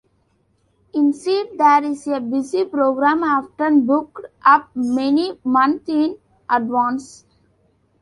Instead there is a busy programme often booked up many months in advance.